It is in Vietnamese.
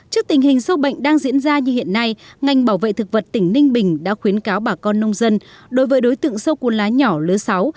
trước tình hình sâu bệnh đang diễn ra như hiện nay ngành bảo vệ thực vật tỉnh ninh bình đã khuyến cáo bà con nông dân đối với đối tượng sâu cuốn lá nhỏ lớn sáu